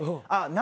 何？